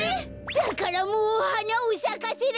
だからもうはなをさかせられない。